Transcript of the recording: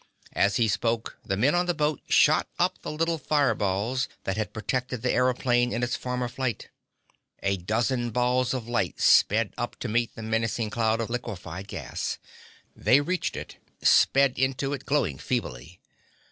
As he spoke the men on the boat shot up the little fire balls that had protected the aëroplane in its former fight. A dozen balls of light sped up to meet the menacing cloud of liquified gas. They reached it, sped into it, glowing feebly!